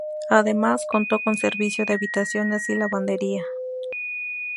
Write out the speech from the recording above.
Además contó con servicio de habitaciones y lavandería.